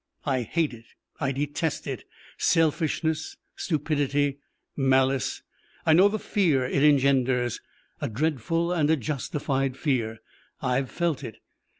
I hate it. I detest it. Selfishness, stupidity, malice. I know the fear it engenders a dreadful and a justified fear. I've felt it.